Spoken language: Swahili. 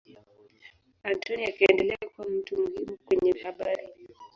Anthony akaendelea kuwa mtu muhimu kwenye habari.